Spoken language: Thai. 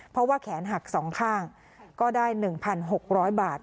เพราะว่าแขนหักสองข้างก็ได้หนึ่งพันหกร้อยบาท